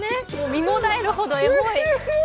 身もだえるほどエモい。